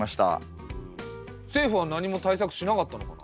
政府は何も対策しなかったのかな？